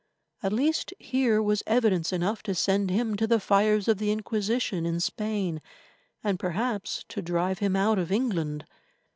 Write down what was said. At least here was evidence enough to send him to the fires of the Inquisition in Spain, and, perhaps, to drive him out of England.